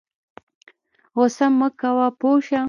غوسه مه کوه پوه شه